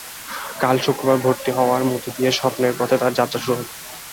কাল শুক্রবার ভর্তি হওয়ার মধ্যে দিয়ে স্বপ্নের পথে তার যাত্রা শুরু হবে।